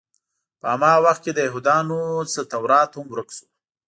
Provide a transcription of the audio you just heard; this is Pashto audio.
په هماغه وخت کې له یهودانو نه تورات هم ورک شو.